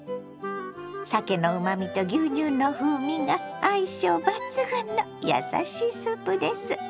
さけのうまみと牛乳の風味が相性抜群のやさしいスープです。